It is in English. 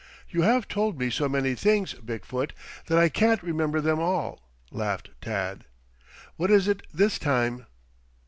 "You have told me so many things, Big foot, that I can't remember them all," laughed Tad. "What is it this time?"